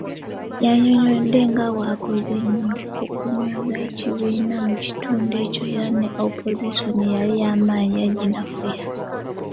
Yannyonnyodde nga bw'akoze ennyo okunyweza ekibiina mu kitundu ekyo era ne Opozisoni eyali ey'amanyi yaginafuya.